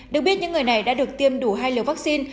được biết những người này đã được tiêm đủ hai liều vaccine